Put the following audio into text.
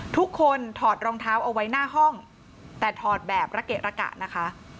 ถอดรองเท้าเอาไว้หน้าห้องแต่ถอดแบบระเกะระกะนะคะ